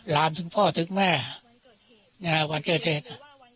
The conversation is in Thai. ลามถึงพ่อถึงแม่วันเกิดเหตุ